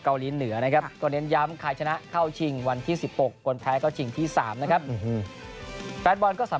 แฟนบอลที่น่ารุ้นนะ